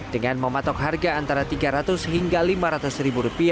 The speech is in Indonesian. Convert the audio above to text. dengan mematok harga antara tiga ratus hingga lima ratus dolar